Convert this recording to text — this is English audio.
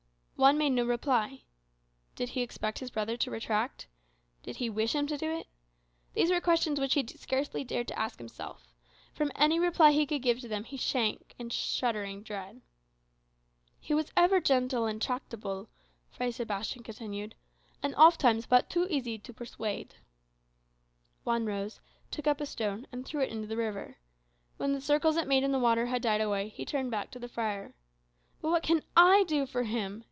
Juan made no reply. Did he expect his brother to retract? Did he wish him to do it? These were questions he scarcely dared to ask himself. From any reply he could give to them he shrank in shuddering dread. "He was ever gentle and tractable," Fray Sebastian continued, "and ofttimes but too easy to persuade." Juan rose, took up a stone, and threw it into the river. When the circles it made in the water had died away, he turned back to the friar. "But what can I do for him?"